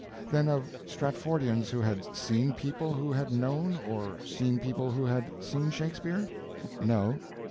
Then of Stratfordians who had seen people who had known or seen people who had seen Shakespeare? No.